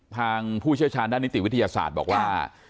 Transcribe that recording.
ผู้เชี่ยวชาญด้านนิติวิทยาศาสตร์บอกว่า